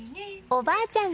おばあちゃん